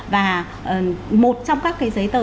và một trong các cái giấy tờ